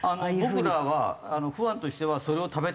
僕らはファンとしてはそれを食べたいと思いますよ。